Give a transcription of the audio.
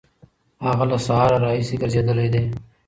هغه له سهاره راهیسې ګرځېدلی دی.